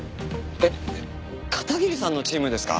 えっ片桐さんのチームですか？